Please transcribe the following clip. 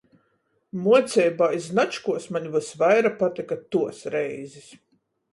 Muoceibā, i značkuos maņ vysvaira patyka tuos reizis.